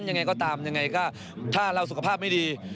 ยังไงก็ตามยังไงก็ถ้าเราสุขภาพไม่ดี